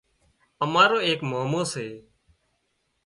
امارو ايڪ مامو سي